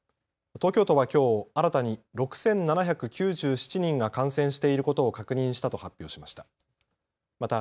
東京都はきょう新たに６７９７人が感染していることを確認したと発表しました。